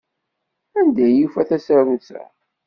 Anda i yufa tasarut-a?